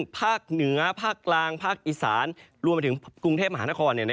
ภาคเหนือภาคกลางภาคอีสานรวมไปถึงกรุงเทพมหานคร